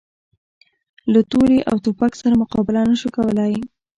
له تورې او توپک سره مقابله نه شو کولای.